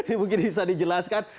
ini mungkin bisa dijelaskan